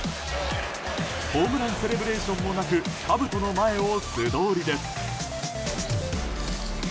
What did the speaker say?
ホームランセレブレーションもなくかぶとの前を素通りです。